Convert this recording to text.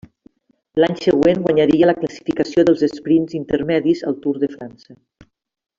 L'any següent guanyaria la classificació dels esprints intermedis al Tour de França.